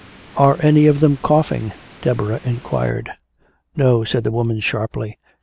"Are any of them coughing?" Deborah inquired. "No," said the woman sharply.